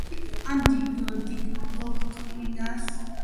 ამ დოქტრინას დიდ წინააღმდეგობას უწევდნენ ინგლისელი იურისტები.